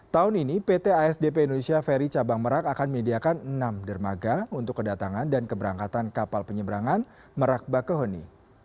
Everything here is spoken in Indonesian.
tahun ini pt asdp indonesia ferry cabang merak akan menyediakan enam dermaga untuk kedatangan dan keberangkatan kapal penyeberangan merak bakahoni